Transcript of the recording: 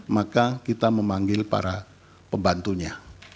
maka kita memanggil para pembantunya